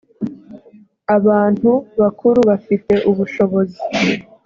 abantu bakuru bafite ubushobozi